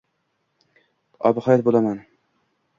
Obihayot bo’laman.